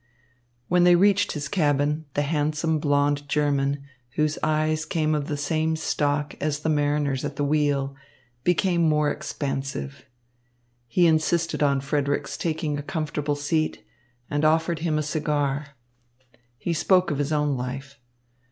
When they reached his cabin, the handsome blond German, whose eyes came of the same stock as the mariner's at the wheel, became more expansive. He insisted on Frederick's taking a comfortable seat and offered him a cigar. He spoke of his own life.